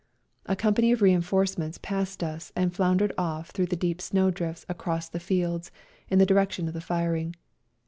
A company of reinforcements passed us and floundered off through the deep snow drifts across the fields in the direction of the firing.